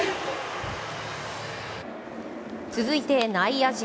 続いて内野陣。